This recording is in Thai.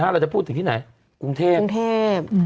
เราจะพูดถึงที่ไหนกรุงเทพ